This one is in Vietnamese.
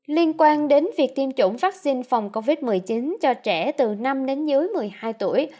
liên quan đến việc tiêm chủng vaccine phòng covid một mươi chín cho trẻ từ năm đến dưới một mươi hai tuổi